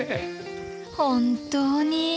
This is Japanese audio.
本当に。